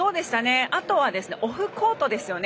あとはオフコートですよね。